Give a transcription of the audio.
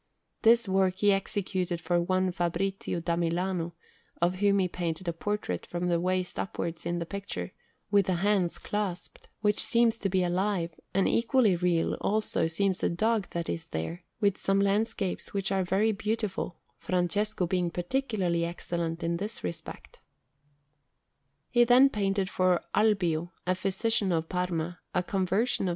This work he executed for one Fabrizio da Milano, of whom he painted a portrait from the waist upwards in the picture, with the hands clasped, which seems to be alive; and equally real, also, seems a dog that is there, with some landscapes which are very beautiful, Francesco being particularly excellent in this respect. He then painted for Albio, a physician of Parma, a Conversion of S.